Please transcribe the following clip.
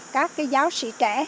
các cái giáo sĩ trẻ